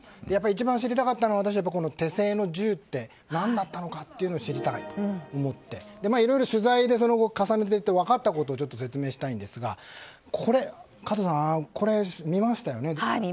一番知りたかったのが私、手製の銃って何だったのかと知りたいと思っていろいろ取材を重ねていって分かったことを説明したいんですが加藤さん、これ見ましたよね。